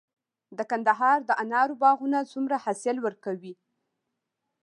د کندهار د انارو باغونه څومره حاصل ورکوي؟